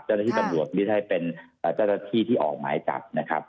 เจ้าหน้าที่ตำรวจไม่ใช่เป็นเจ้าหน้าที่ที่ออกหมายจับนะครับ